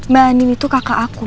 mbak anin itu kakak aku